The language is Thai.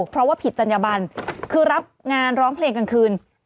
เพราะว่าผิดจัญญบันคือรับงานร้องเพลงกลางคืน